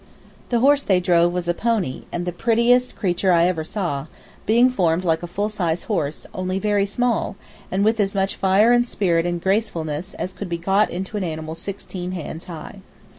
The horse they drove was a pony, and the prettiest creature I ever saw, being formed like a full sized horse, only very small, and with as much fire and spirit and gracefulness as could be got into an animal sixteen hands high.